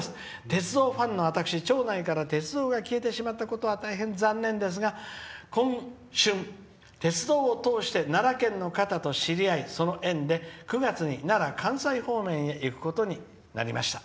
鉄道ファンの私、町内から鉄道が消えてしまったことは残念ですが今春、鉄道を通して奈良県の方と知り合いその縁で９月に奈良関西方面へ行くことになりました。